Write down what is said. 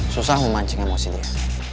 susah memancing emosi dia